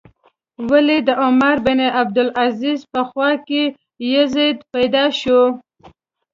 ولې د عمر بن عبدالعزیز په خوا کې یزید پیدا شوی.